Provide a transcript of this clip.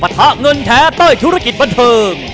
ประทะเงินแท้ต้อยธุรกิจบันเทิง